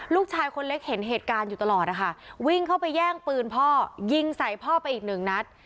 ลูกชายคนเล็กเห็นเหตุการณ์อยู่ตลอดนะคะวิ่งเข้าไปแย่งปืนพ่อยิงใส่พ่อไปอีกหนึ่งนัด